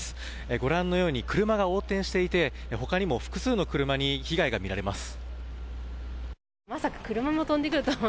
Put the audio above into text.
ご覧のように、車が横転していて他にも複数の車に被害が見られます。